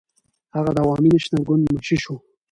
هغه د عوامي نېشنل ګوند منشي شو.